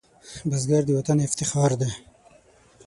بزګر د وطن افتخار دی